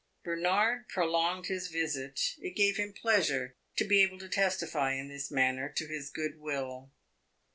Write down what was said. Bernard prolonged his visit; it gave him pleasure to be able to testify in this manner to his good will.